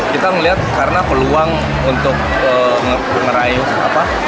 kita melihat karena peluang untuk ngeraih